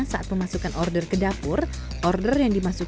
bagus banget di pelo gitu sih